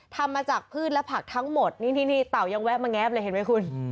ทำมาจากพืชและผักทั้งหมดนี่เต่ายังแวะมาแง๊บเลยเห็นไหมคุณ